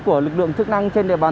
của lực lượng thức năng trên địa bàn